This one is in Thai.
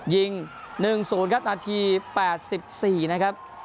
ยิง๑๐ครับนาที๘๔นะครับ